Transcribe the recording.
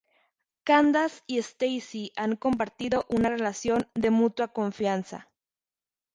Candace y Stacy han compartido una relación de mutua confianza.